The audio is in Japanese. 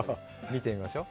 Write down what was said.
見てみましょう。